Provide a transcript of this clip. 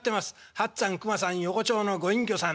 八っつぁん熊さん横町のご隠居さん。